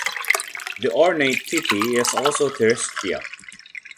The ornate titi is also terrestrial.